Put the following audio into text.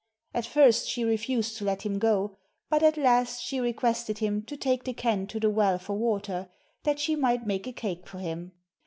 At first she refused to let him go ; but at last she requested him to take the can to the well for water, that she might make a cake for him.